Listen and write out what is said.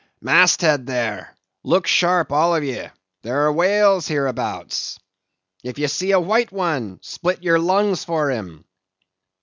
"Mast head, there! Look sharp, all of ye! There are whales hereabouts! "If ye see a white one, split your lungs for him!